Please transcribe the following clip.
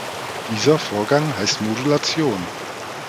Dieser Vorgang heißt Modulation.